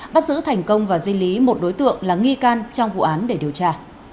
bắt giữ thành công và di lý một đối tượng là nghi can trong vụ án để điều tra